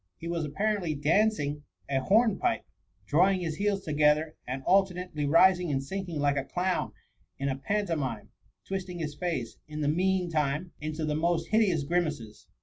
, He was apparently danc ing a hornpipe, drawing his heels together, and alternately rising and sinking like a clown in a pantomime, twisting his face, in the mean time, into the most hideous grimaces.